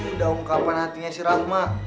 udah ungkapan hatinya si rahma